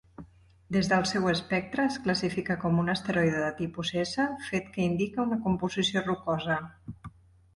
Des del seu espectre, es classifica com un asteroide de tipus S, fet que indica una composició rocosa.